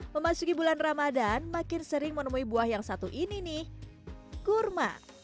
memasuki bulan ramadan makin sering menemui buah yang satu ini nih kurma